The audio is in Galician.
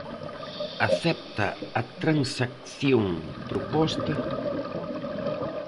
¿Acepta a transacción proposta?